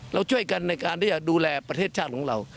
เราช่วยกันในการที่จะดูแลประเทศชาติของเรา